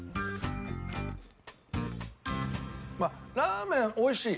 ラーメン美味しい。